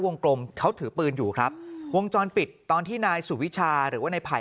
กลมเขาถือปืนอยู่ครับวงจรปิดตอนที่นายสุวิชาหรือว่าในไผ่